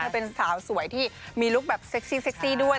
เป็นสาวสวยที่มีลุคแบบเซ็กซี่เซ็กซี่ด้วย